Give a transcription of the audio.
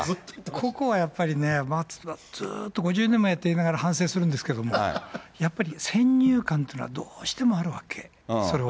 ここはやっぱりね、ずっと５０年もやっていながら反省するんですけども、やっぱり先入観っていうのはどうしてもあるわけ、それは。